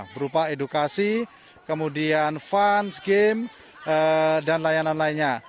berupa edukasi kemudian fun game dan layanan lainnya